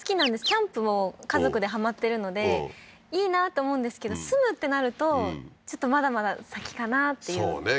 キャンプも家族ではまってるのでいいなーって思うんですけど住むってなるとちょっとまだまだ先かなっていうそうね